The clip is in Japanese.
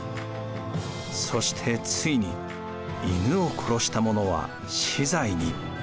そしてついに犬を殺した者は死罪に。